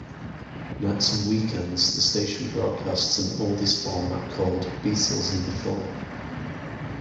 Nights and weekends, the station broadcasts an oldies format called Beatles and Before.